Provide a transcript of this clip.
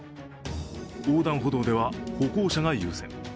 横断歩道では、歩行者が優先。